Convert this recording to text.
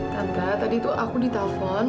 tante tadi tuh aku di telfon